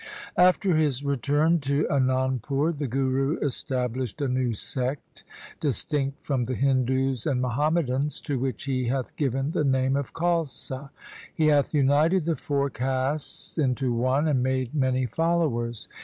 After his return to Anandpur, the Guru established a new sect distinct from the Hindus and Muhammadans, to which he hath given the name of Khalsa. He hath united the four castes into one, and made many followers.